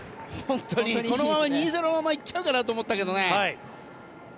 このまま２対０のまま行っちゃうかなと思ったけどね